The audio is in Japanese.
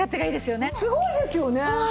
すごいですよね。